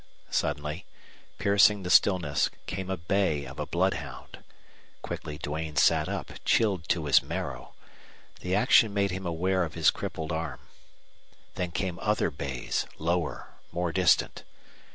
Suddenly, piercing the stillness, came a bay of a bloodhound. Quickly Duane sat up, chilled to his marrow. The action made him aware of his crippled arm. Then came other bays, lower, more distant.